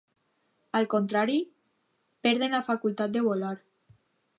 Al contrari, perden la facultat de volar.